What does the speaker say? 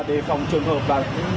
để phòng trường hợp